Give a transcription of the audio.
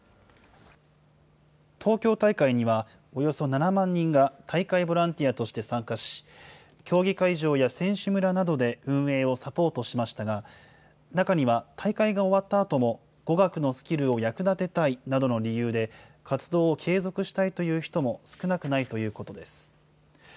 東京大会には、およそ７万人が、大会ボランティアとして参加し、競技会場や選手村などで運営をサポートしましたが、中には、大会が終わったあとも、語学のスキルを役立てたいなどの理由で、活動を継続したいという人も少なくないということです。